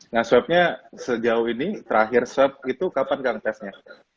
nah swabnya sejauh ini terakhir swab itu kapan kang tesnya